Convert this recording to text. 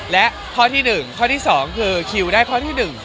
และข้อที่หนึ่งข้อที่สองคือคิวได้ข้อที่หนึ่ง